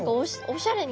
おしゃれ！